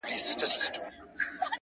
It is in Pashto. خو چي تر کومه به تور سترگي مینه واله یې